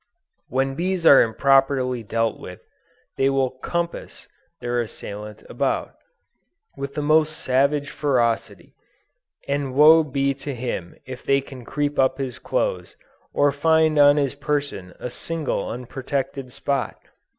When bees are improperly dealt with, they will "compass" their assailant "about," with the most savage ferocity, and woe be to him if they can creep up his clothes, or find on his person a single unprotected spot!